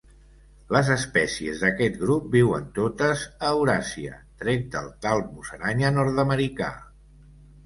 Les espècies d'aquest grup viuen totes a Euràsia, tret del talp musaranya nord-americà.